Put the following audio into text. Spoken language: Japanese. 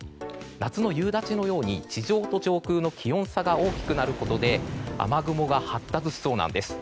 夏の夕立のように地上と上空の気温差が大きくなることで雨雲が発達しそうなんです。